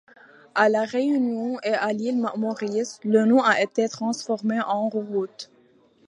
À La Réunion et à l'île Maurice, le nom a été transformé en rouroute.